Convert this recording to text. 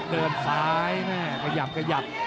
เดินซ้ายนะขยับ